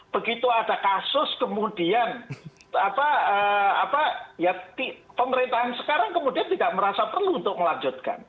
begitu ada kasus kemudian pemerintahan sekarang kemudian tidak merasa perlu untuk melanjutkan